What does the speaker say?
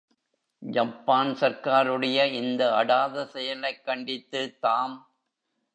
Japan சர்க்காருடைய இந்த அடாத செயலைக் கண்டித்து தாம்.